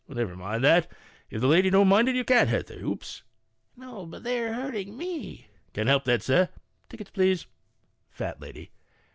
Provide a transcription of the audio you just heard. "Well, never mind that; if the lady don't mind it you can't hurt the hoops." Eat Man. 4 No, but they are hurting me." Porter. " Can't help that, sir. Tickets, please." Eat Lady.